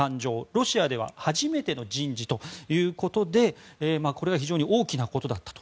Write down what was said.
ロシアでは初めての人事ということで非常に大きなことだったと。